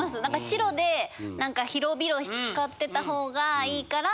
白で広々使ってた方がいいから。